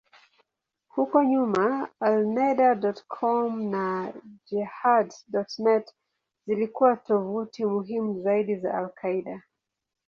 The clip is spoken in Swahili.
Huko nyuma, Alneda.com na Jehad.net zilikuwa tovuti muhimu zaidi za al-Qaeda.